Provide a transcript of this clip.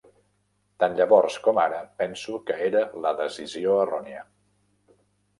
Tan llavors com ara penso que era la decisió errònia.